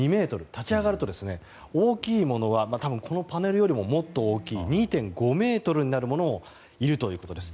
立ち上がると大きいものはこのパネルよりももっと大きい２．５ｍになるものもいるということです。